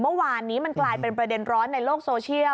เมื่อวานนี้มันกลายเป็นประเด็นร้อนในโลกโซเชียล